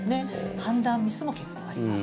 判断ミスも結構あります。